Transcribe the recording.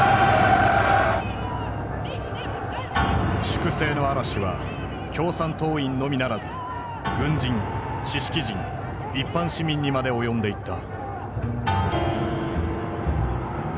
粛清の嵐は共産党員のみならず軍人知識人一般市民にまで及んでいった。